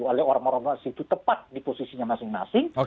oleh orang orang di situ tepat di posisinya masing masing